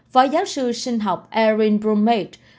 phó giáo sư sinh học erin bromage